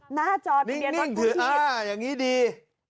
หน้าจอทะเบียนรถกู้ชีพ